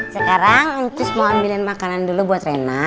sekarang njus mau ambilin makanan dulu buat reina